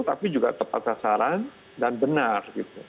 tapi juga tepat sasaran dan benar